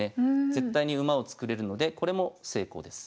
絶対に馬を作れるのでこれも成功です。